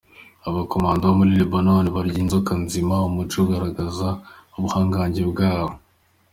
Abakomando bo muri Lebanon barya inzoka nzima, umuco ugaraza ubuhangange bwabo.